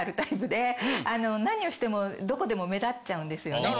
何をしてもどこでも目立っちゃうんですよね。